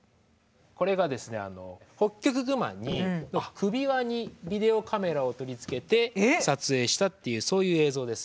これがですねあのホッキョクグマの首輪にビデオカメラを取り付けて撮影したっていうそういう映像です。